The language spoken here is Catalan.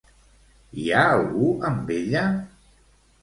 Hi ha algú amb ella?